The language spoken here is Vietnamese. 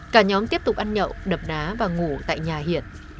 cả nhóm tiếp tục ăn nhậu đập ná và ngủ tại nhà hiển